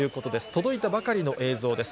届いたばかりの映像です。